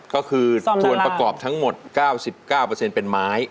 ก็คือส่วนประกอบทั้งหมด๙๙เป็นไม้